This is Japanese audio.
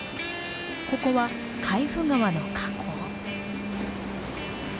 ここは海部川の河口。